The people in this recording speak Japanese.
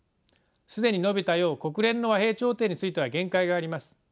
既に述べたよう国連の和平調停については限界があります。